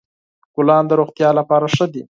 ګلان د روغتیا لپاره ښه دي.